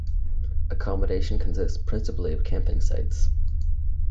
Accommodation consist principally of camping sites.